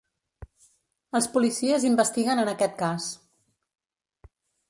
Els policies investiguen en aquest cas.